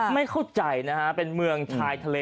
ไม่เข้าใจนะฮะเป็นเมืองชายทะเล